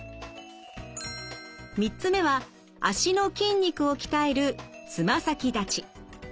３つ目は脚の筋肉を鍛えるつま先立ち。